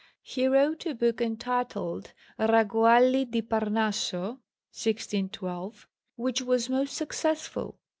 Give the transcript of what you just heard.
He wrote a book entitled Ragguagli di Parnasso (1612), which was most successful.